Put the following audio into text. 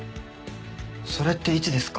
それっていつですか？